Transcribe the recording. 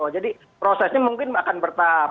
jadi prosesnya mungkin akan bertahap